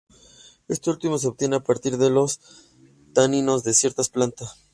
Este último se obtiene a partir de los taninos de ciertas plantas.